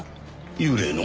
幽霊の？